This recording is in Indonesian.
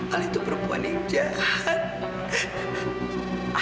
alia tuh perempuan yang jahat